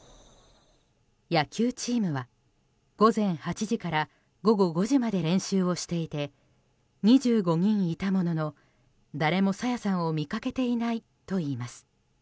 野球チームは午前８時から午後５時まで練習をしていて２５人いたものの誰も朝芽さんを見かけていないといいます。